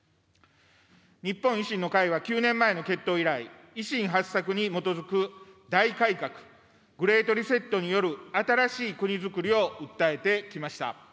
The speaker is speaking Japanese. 日本維新の会は、９年前の結党以来、維新八策に基づく大改革、グレートリセットによる新しい国づくりを訴えてきました。